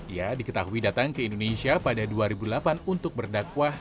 ia diketahui datang ke indonesia pada dua ribu delapan untuk berdakwah